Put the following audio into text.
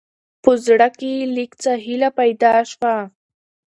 په زړه، کې يې لېږ څه هېله پېدا شوه.